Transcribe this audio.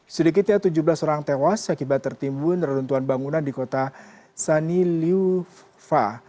sedikitnya tujuh belas orang tewas akibat tertimbun reruntuhan bangunan di kota saniliuva